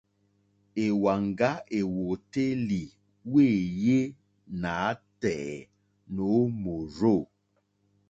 Èwàŋgá èwòtélì wéèyé nǎtɛ̀ɛ̀ nǒ mòrzô.